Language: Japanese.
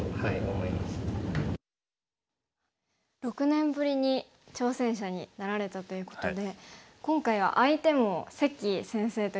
６年ぶりに挑戦者になられたということで今回は相手も関先生ということで。